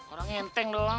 orangnya enteng doang